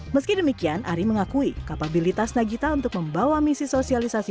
meski demikian ari mengakui kapabilitas nagita untuk membawa misi sosialisasi